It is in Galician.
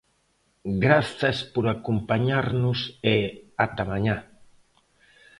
Grazas por acompañarnos e ata mañá.